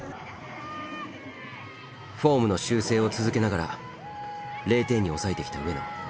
フォームの修正を続けながら０点に抑えてきた上野。